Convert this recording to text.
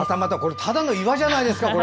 ただの岩じゃないですか。